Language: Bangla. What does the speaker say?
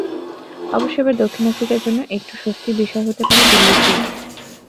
অবশ্য এবার দক্ষিণ আফ্রিকার জন্য একটু স্বস্তির বিষয় হতে পারে দিল্লির পিচ।